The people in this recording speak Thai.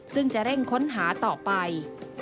ซึ่งจะเร่งค้นหาต่อไป